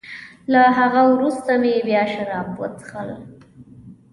له هغه وروسته مې بیا شراب وڅېښل.